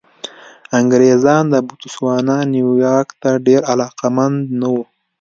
انګرېزان د بوتسوانا نیواک ته ډېر علاقمند نه وو.